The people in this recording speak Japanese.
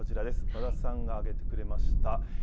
和田さんが挙げてくれました、